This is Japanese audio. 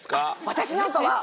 私なんかは。